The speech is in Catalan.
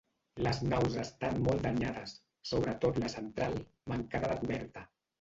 Les naus estan molt danyades, sobretot la central, mancada de coberta.